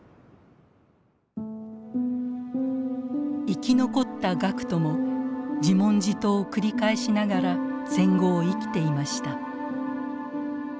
生き残った学徒も自問自答を繰り返しながら戦後を生きていました。